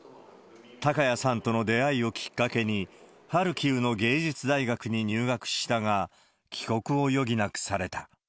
高谷さんとの出会いをきっかけに、ハルキウの芸術大学に入学したが、帰国を余儀なくされた。